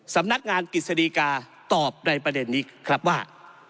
สำนักงานกฤษฎีกาตอบในประเด็นนี้ครับว่า